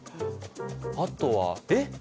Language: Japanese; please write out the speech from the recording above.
あとはえっ！？